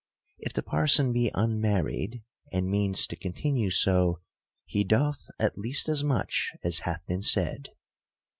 — If the parson be unmar ried, and means to continue so, he doth at least as much as hath been said.